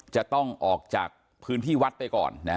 จะต้องออกจากพื้นที่วัดไปก่อน